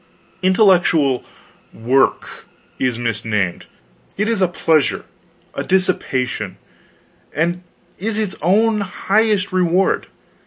Intellectual "work" is misnamed; it is a pleasure, a dissipation, and is its own highest reward.